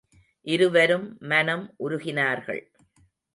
இருவரும் மனம் உருகினார்கள்.